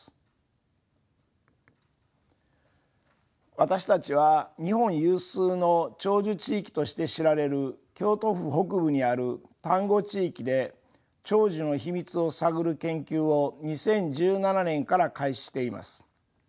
私たちは日本有数の長寿地域として知られる京都府北部にある丹後地域で長寿の秘密を探る研究を２０１７年から開始しています。